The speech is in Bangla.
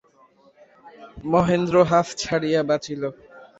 মহেন্দ্র হাঁফ ছাড়িয়া বাঁচিল।